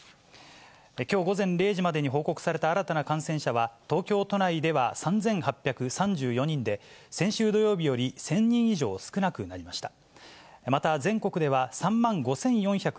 きょう午前０時までに報告された新たな感染者は、東京都内では３８３４人で、先週土曜日より１０００人以上少なくなりました。